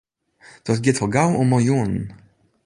Dat giet al gau om miljoenen.